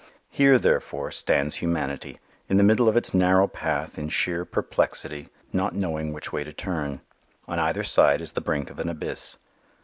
Here, therefore, stands humanity, in the middle of its narrow path in sheer perplexity, not knowing which way to turn. On either side is the brink of an abyss.